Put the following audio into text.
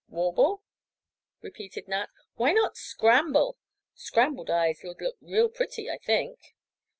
"'Warble,'" repeated Nat. "Why not 'scramble'? Scrambled eyes would look real pretty, I think."